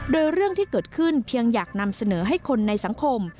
โดยเรื่องที่เกิดขึ้นเพียงอยากนำเสนอให้คนในสังคม